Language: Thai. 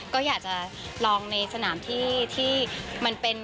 ก็อยากจะลองในสนามที่มันเป็น